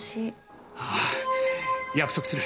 ああ約束する。